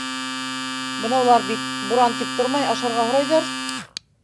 Бынаулар бит... буран тип тормай, ашарға һорайҙар!